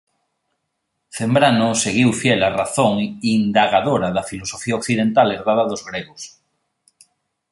Zambrano seguiu fiel a razón indagadora da filosofía occidental herdada dos gregos.